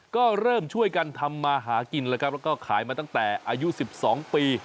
ก็เริ่มช่วยกันทำมาหากินแล้วครับแล้วก็ขายมาตั้งแต่อายุ๑๒ปี